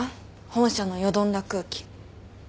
本社のよどんだ空気。